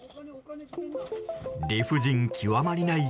理不尽極まりない